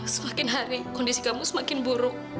semakin hari kondisi kamu semakin buruk